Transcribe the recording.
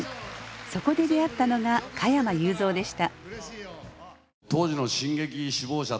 そこで出会ったのが加山雄三でした。